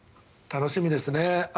楽しみですね。